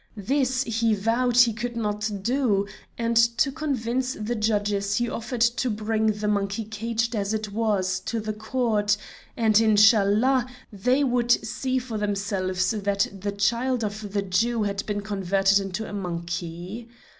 This he vowed he could not do, and to convince the judges he offered to bring the monkey caged as it was to the court, and, Inshallah, they would see for themselves that the child of the Jew had been converted into a monkey.